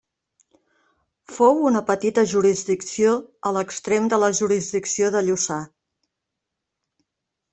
Fou una petita jurisdicció a l'extrem de la jurisdicció de Lluçà.